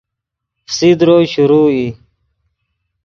فسیدرو شروع ای